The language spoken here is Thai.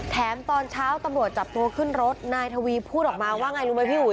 ตอนเช้าตำรวจจับตัวขึ้นรถนายทวีพูดออกมาว่าไงรู้ไหมพี่อุ๋